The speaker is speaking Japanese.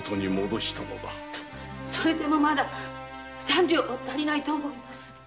それでもまだ三両は足りないと思います。